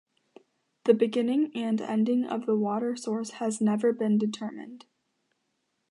The beginning and ending of the water source has never been determined.